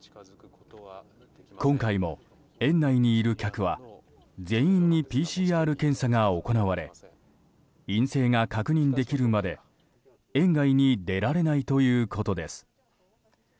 今回も園内にいる客は全員にＰＣＲ検査が行われ陰性が確認できるまで園外に出られないということです。